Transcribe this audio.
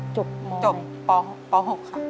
จบป๖ค่ะ